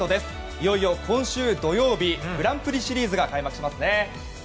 いよいよ今週土曜日グランプリシリーズが開幕しますね。